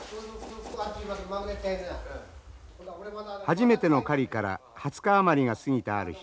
初めての狩りから２０日余りが過ぎたある日。